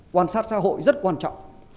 quan sát xã hội rất quan trọng